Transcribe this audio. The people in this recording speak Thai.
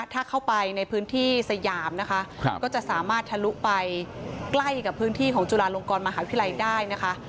ถ้าเข้าไปในพื้นที่สยามนะคะก็จะสามารถทะลุไปใกล้กับพื้นที่ของจุฬาลงกรมหาวิทยาลัยได้นะคะ